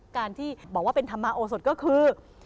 การที่บอกว่าเป็นธรรมาโอสดก็คือ